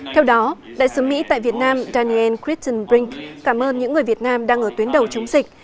theo đó đại sứ mỹ tại việt nam daniel critton brink cảm ơn những người việt nam đang ở tuyến đầu chống dịch